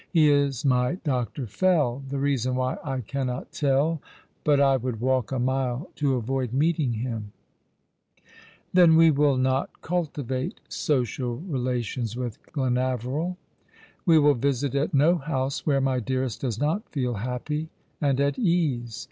He is my Dr. Fell — the reason why I cannot tell, but I would walk a mile to avoid meeting him." S6 All along the River. " Then we will not cultivate social relations with Glenaveril. We will visit at no house where my dearest does not feel haiopy and at ease.